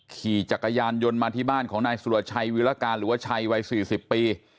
ขี่จักรยานยนต์มาที่บ้านของนายสุรชัยวิรการหรือว่าชัยวัย๔๐ปี